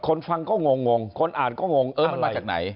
ฟังก็งงคนอ่านก็งงเออมันมาจากไหน